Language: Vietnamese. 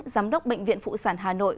giám đốc bệnh viện phụ sản hà nội